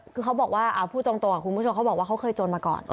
คือเขาบอกว่าพูดตรงคุณผู้ชมเขาบอกว่าเขาเคยจนมาก่อน